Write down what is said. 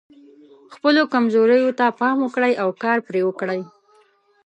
خپلو کمزوریو ته پام وکړئ او کار پرې وکړئ.